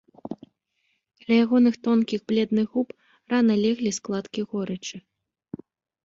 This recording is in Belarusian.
Каля ягоных тонкіх бледных губ рана леглі складкі горычы.